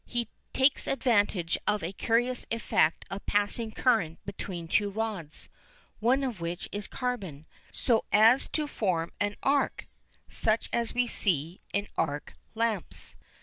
He takes advantage of a curious effect of passing current between two rods, one of which is carbon, so as to form an arc such as we see in arc lamps.